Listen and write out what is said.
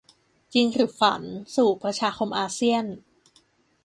จริงหรือฝันสู่ 'ประชาคมอาเซียน' ?